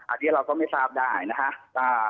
อาทิตย์เราก็ไม่ทราบได้นะครับ